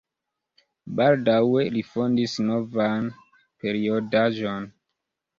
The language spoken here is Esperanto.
Baldaŭe li fondis novan periodaĵon.